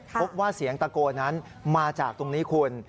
พบว่าเสียงตะโกนนั้นมาจากตรงนี้คุณ